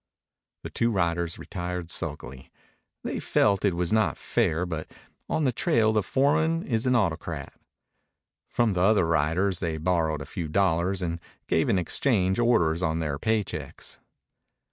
The two riders retired sulkily. They felt it was not fair, but on the trail the foreman is an autocrat. From the other riders they borrowed a few dollars and gave in exchange orders on their pay checks.